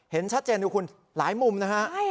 เห็นชัดเจนดูคุณหลายมุมนะฮะ